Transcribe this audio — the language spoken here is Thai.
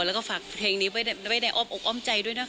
แล้วก็ฝากเพลงนี้ไว้ได้อ้อมอกอ้อมใจด้วยนะคะ